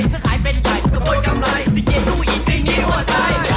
ข้างหายเป็นใดเพื่อโปรดกำไรสิ่งเคยลูกอีกสิ่งแน่ว่าใช่